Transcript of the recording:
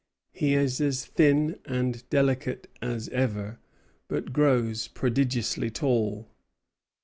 "He is as thin and delicate as ever, but grows prodigiously tall."